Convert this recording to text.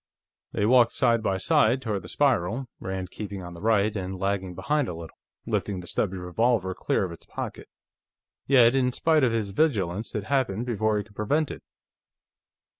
They walked side by side toward the spiral, Rand keeping on the right and lagging behind a little, lifting the stubby revolver clear of his pocket. Yet, in spite of his vigilance, it happened before he could prevent it.